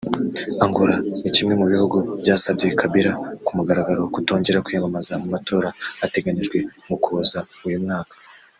Angola ni kimwe mu bihugu byasabye Kabila ku mugaragaro kutongera kwiyamamaza mu matora ateganyijwe mu Ukuboza uyu mwaka